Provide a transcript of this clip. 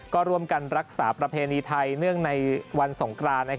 ก็ร่วมกันรักษาประเพณีไทยเนื่องในวันสงกราน